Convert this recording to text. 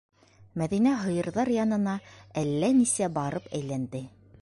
Мәҙинә һыйырҙар янына әллә нисә барып әйләнде.